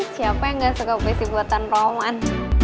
siapa yang ga suka puisi buatan roman